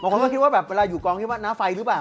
คนก็คิดว่าแบบเวลาอยู่กองคิดว่าหน้าไฟหรือเปล่า